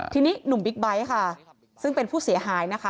ทีนี้หนุ่มบิ๊กไบท์ค่ะซึ่งเป็นผู้เสียหายนะคะ